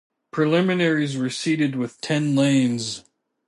Preliminaries were seeded with ten lanes.